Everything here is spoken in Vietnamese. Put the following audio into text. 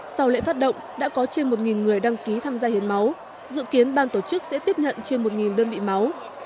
sau lễ phát động đã có trên một người đăng ký tham gia hiến máu dự kiến ban tổ chức sẽ tiếp nhận trên một đơn vị máu